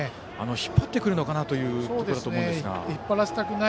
引っ張ってくるのかなというところでしたが。